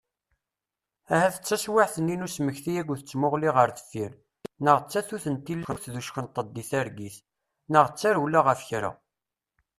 Ahat d taswiɛt-nni n usmekti akked tmuɣli ɣer deffir, neɣ d tatut n tilawt d uckenṭeḍ di targit, neɣ d tarewla ɣef kra.